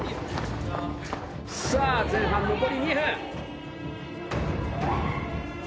さあ前半残り２分。